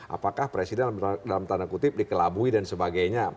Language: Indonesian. apakah presiden dalam tanda kutip dikelabui dan sebagainya